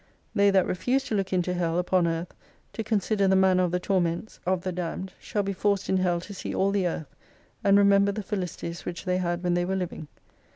They that refuse to look into Hell upon earth to con sider the manner of the torments of the damned shall be forced in Hell to see all the earth, and remember the felicities which they had when they were living.